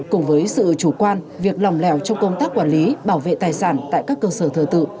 cùng với sự chủ quan việc lòng lẻo trong công tác quản lý bảo vệ tài sản tại các cơ sở thờ tự